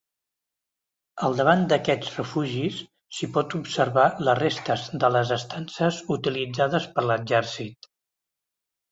Al davant d'aquests refugis s'hi pot observar les restes de les estances utilitzades per l'exèrcit.